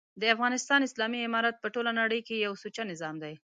دافغانستان اسلامي امارت په ټوله نړۍ کي یو سوچه نظام دی